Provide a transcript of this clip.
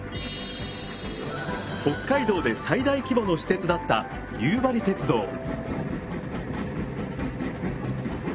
北海道で最大規模の私鉄だった夕張鉄道。